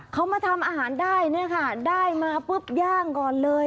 เขามาทำอาหารได้เนี่ยค่ะได้มาปุ๊บย่างก่อนเลย